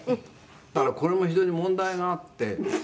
「だからこれも非常に問題があって」